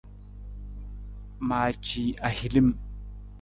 Maaci ahilim.